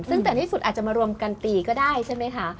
ซึ่งแต่ที่สุดอาจจะมารวมกันตีก็ได้ใช่ไหมคะ